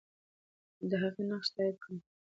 د هغې نقش تایید کړه.